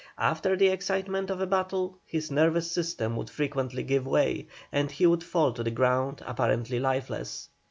After the excitement of a battle his nervous system would frequently give way, and he would fall to the ground, apparently lifeless.